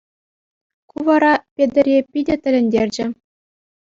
Ку вара Петӗре питӗ тӗлӗнтерчӗ.